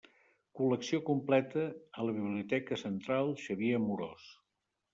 Col·lecció completa a la Biblioteca Central Xavier Amorós.